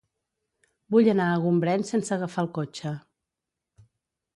Vull anar a Gombrèn sense agafar el cotxe.